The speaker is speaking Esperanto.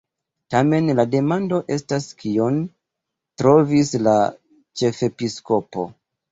Tamen la demando estas: kion trovis la ĉefepiskopo?”